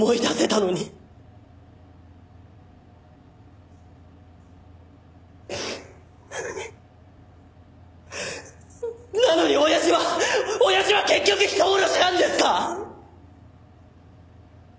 なのになのに親父は親父は結局人殺しなんですか！？